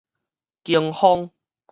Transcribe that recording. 經風